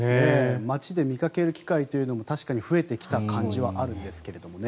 街で見かける機会というのも確かに増えてきた感じはあるんですけどね。